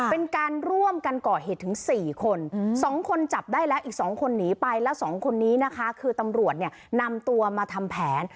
เป็นการร่วมกันก่อเหตุถึง๔คน๒คนจับได้แล้วอีก๒คนหนีไปแล้ว๒คนนี้นะคะคือตำรวจเนี่ยนำตัวมาทำแผน